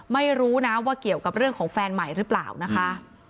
ไม่รู้นะว่าเกี่ยวกับเรื่องของแฟนใหม่หรือเปล่านะคะ